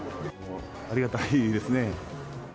ありがたいですね。